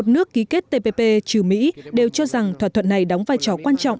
một mươi một nước ký kết tpp trừ mỹ đều cho rằng thỏa thuận này đóng vai trò quan trọng